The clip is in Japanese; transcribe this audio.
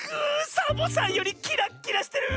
サボさんよりキラッキラしてる！